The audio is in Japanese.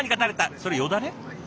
それよだれ？